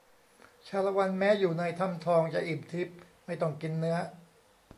ชาละวันแม้อยู่ในถ้ำทองจะอิ่มทิพย์ไม่ต้องกินเนื้อ